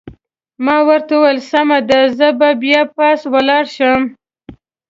ما ورته وویل: سمه ده، زه به بیا پاس ولاړ شم.